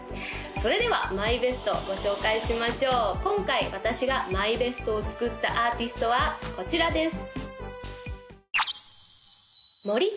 それではＭＹＢＥＳＴご紹介しましょう今回私がＭＹＢＥＳＴを作ったアーティストはこちらです